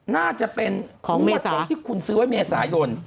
น่าจะเป็นของงวดที่คุณซื้อไว้เมษายน